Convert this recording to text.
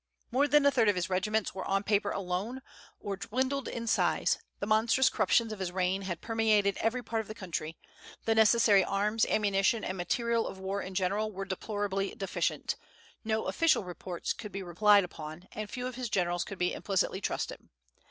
More than a third of his regiments were on paper alone, or dwindled in size; the monstrous corruptions of his reign had permeated every part of the country; the necessary arms, ammunition, and material of war in general were deplorably deficient; no official reports could be relied upon, and few of his generals could be implicitly trusted.